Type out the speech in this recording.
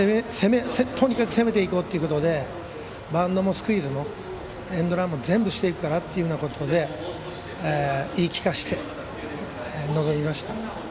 とにかく攻めていこうっていうことでスイングもエンドランも全部していくということを言い聞かせて臨みました。